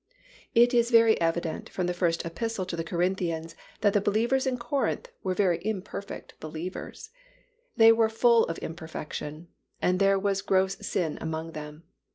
It is very evident from the First Epistle to the Corinthians that the believers in Corinth were very imperfect believers; they were full of imperfection and there was gross sin among them.